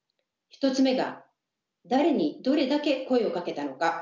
１つ目が「誰にどれだけ声をかけたのか」。